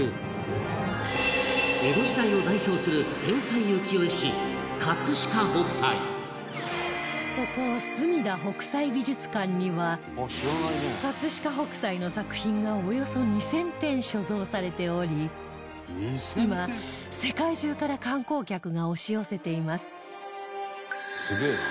江戸時代を代表するここすみだ北斎美術館には飾北斎の作品がおよそ２０００点所蔵されており今世界中から観光客が押し寄せています